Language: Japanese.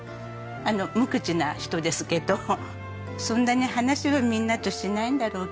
無口な人ですけどそんなに話はみんなとしないんだろうけど。